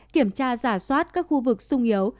kiểm tra giả soát các khu vực sung yếu